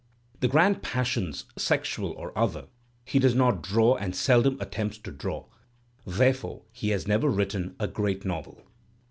The grand passions, sexual or other, he does not draw and seldom attempts to draw; therefore he has never written a great novel.